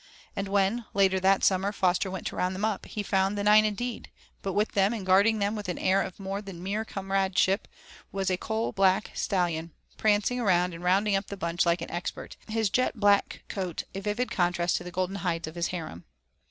And when, later that summer Foster went to round them up, he found the nine indeed, but with them and guarding them with an air of more than mere comradeship was a coal black stallion, prancing around and rounding up the bunch like an expert, his jet black coat a vivid contrast to the golden hides of his harem.